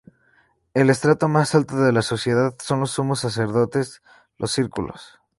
El estrato más alto de la sociedad son los sumos sacerdotes: los círculos.